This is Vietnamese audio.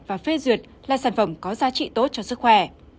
và phê duyệt là sản phẩm có giá trị tốt cho sức khỏe